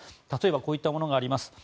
例えばこういったものがあります。